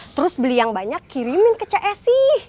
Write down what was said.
terus beli yang banyak kirimin ke c s i